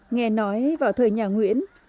nghe nói vào thời nhà nguyễn